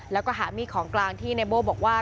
แล้วก็หามีดของกลางที่ในโบ้บอกว่า